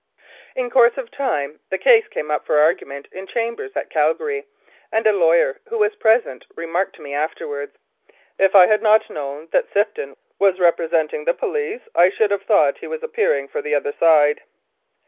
In course of time the case came up for argument in chambers at Calgary, and a lawyer who was present remarked to me afterwards, "If I had not known that Sifton was representing the police, I should have thought he was appearing for the other side."